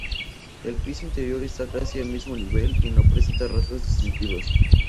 El piso interior está casi al mismo nivel, y no presenta rasgos distintivos.